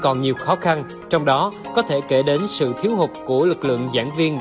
còn nhiều khó khăn trong đó có thể kể đến sự thiếu hụt của lực lượng giảng viên